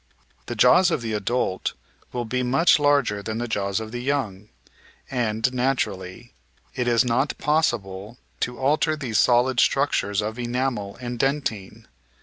The jaws of the adult will be much larger than the jaws of the young, and, naturally, it is not possible to alter these solid structures of enamel and den tine.